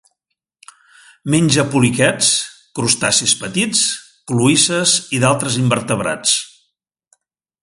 Menja poliquets, crustacis petits, cloïsses i d'altres invertebrats.